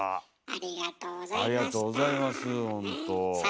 ありがとうございますほんと。